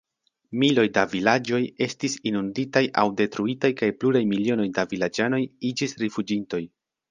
Miloj da vilaĝoj estis inunditaj aŭ detruitaj kaj pluraj milionoj da vilaĝanoj iĝis rifuĝintoj.